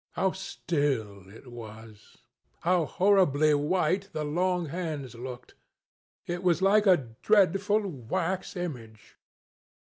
How still it was! How horribly white the long hands looked! It was like a dreadful wax image.